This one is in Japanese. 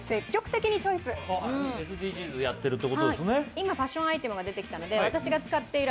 今、ファッションアイテムが出てきたので、私が使っている